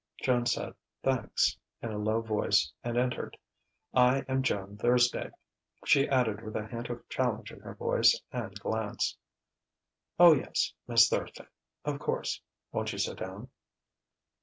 Joan said "Thanks," in a low voice, and entered. "I am Joan Thursday," she added with a hint of challenge in voice and glance. "Oh, yes, Miss Thursday of course! Won't you sit down?"